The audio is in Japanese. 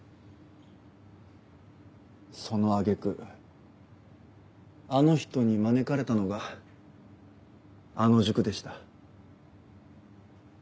その揚げ句あの人に招かれたのがあの塾でした。